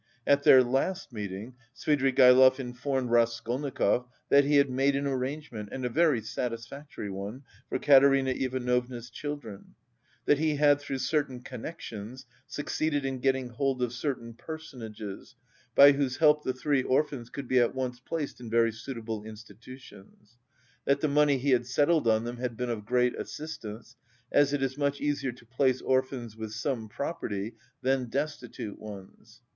At their last meeting Svidrigaïlov informed Raskolnikov that he had made an arrangement, and a very satisfactory one, for Katerina Ivanovna's children; that he had, through certain connections, succeeded in getting hold of certain personages by whose help the three orphans could be at once placed in very suitable institutions; that the money he had settled on them had been of great assistance, as it is much easier to place orphans with some property than destitute ones.